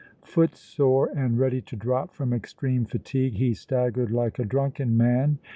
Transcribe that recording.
Footsore and ready to drop from extreme fatigue, he staggered like a drunken man.